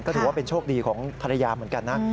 ก็ถือว่าเป็นโชคดีของภรรยาเหมือนกันนะ